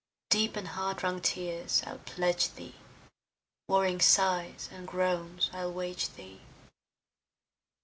Deep in heart wrung tears I'll pledge thee, Warring sighs and groans I'll wage thee.